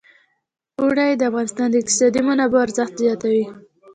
اوړي د افغانستان د اقتصادي منابعو ارزښت زیاتوي.